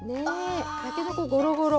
たけのこごろごろ。